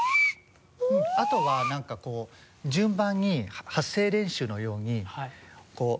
あとはなんかこう順番に発声練習のようにこう。